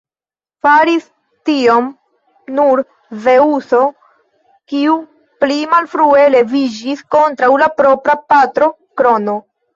Faris tion nur Zeŭso, kiu pli malfrue leviĝis kontraŭ la propra patro Krono.